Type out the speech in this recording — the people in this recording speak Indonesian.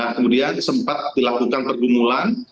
kemudian sempat dilakukan pergumulan